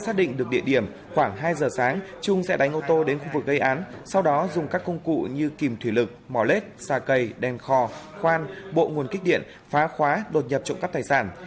trong địa điểm khoảng hai giờ sáng trung sẽ đánh ô tô đến khu vực gây án sau đó dùng các công cụ như kìm thủy lực mỏ lết xà cây đèn kho khoan bộ nguồn kích điện phá khóa đột nhập trộm cắp tài sản